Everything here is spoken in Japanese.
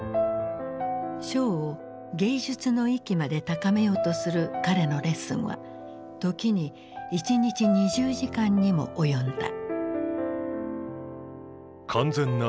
ショーを芸術の域まで高めようとする彼のレッスンは時に１日２０時間にも及んだ。